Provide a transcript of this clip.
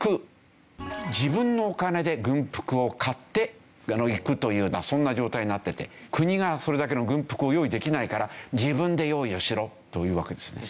自分のお金で軍服を買って行くというようなそんな状態になってて国がそれだけの軍服を用意できないから自分で用意をしろというわけですね。